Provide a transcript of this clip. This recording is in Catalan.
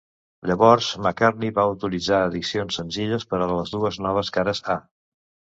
Llavors, McCartney va autoritzar edicions senzilles per a les dues noves cares A.